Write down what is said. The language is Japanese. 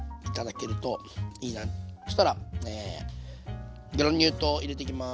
そしたらグラニュー糖入れていきます。